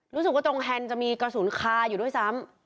รู้สึกว่าตรงแห่งจะมีกระสุนคาอยู่ด้วยซ้ำ